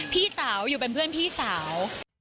พี่สาวอยู่เป็นเพื่อนพี่สาว